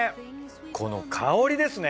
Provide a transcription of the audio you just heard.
この香りですね。